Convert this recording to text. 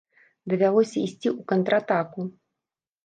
Давялося ісці ў контратаку.